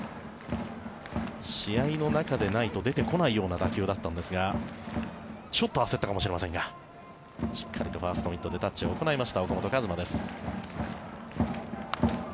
試合の中でないと出てこないような打球だったんですがちょっと焦ったかもしれませんがしっかりとファーストミットでタッチを行いました岡本和真です。